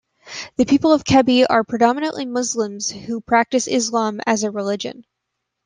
The people of Kebbi are predominantly Muslims who practice Islam as a religion.